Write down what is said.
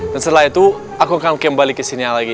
dan setelah itu aku akan kembali kesini lagi ya